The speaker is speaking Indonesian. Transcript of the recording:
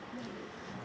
jadi itu skenario